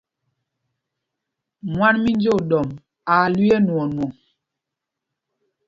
Mwán mí Njǒɗɔmb aa ɓākā lüii ɛ́nwɔɔnwɔŋ.